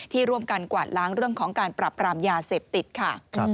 ที่ร่วมกันกวาดล้างเรื่องของการปรับปรามยาเสพติดค่ะ